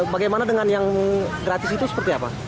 bagaimana dengan yang gratis itu seperti apa